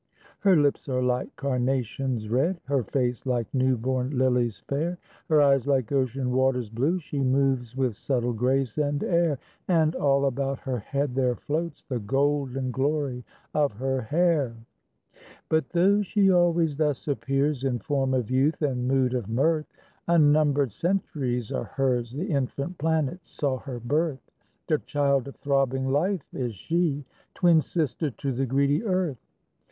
Her lips are like carnations, red, Her face like new born lilies, fair, Her eyes like ocean waters, blue, She moves with subtle grace and air, And all about her head there floats The golden glory of her hair. But though she always thus appears In form of youth and mood of mirth, Unnumbered centuries are hers, The infant planets saw her birth; The child of throbbing Life is she, Twin sister to the greedy earth.